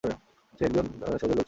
সে একজন শহুরে লোক ছিল।